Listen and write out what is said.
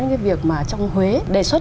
những cái việc mà trong huế đề xuất